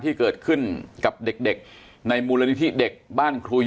อันดับสุดท้าย